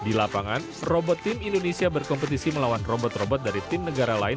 di lapangan robot tim indonesia berkompetisi melawan robot robot dari tim negara lain